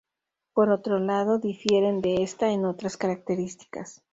Por otro lado, difieren de esta en otras características.